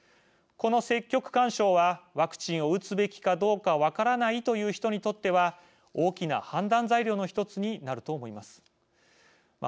この積極勧奨はワクチンを打つべきかどうか分からないという人にとっては大きな判断材料の１つになると思います。